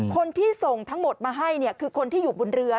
คนที่ส่งทั้งหมดมาให้คือคนที่อยู่บนเรือ